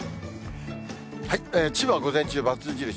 千葉は午前中×印。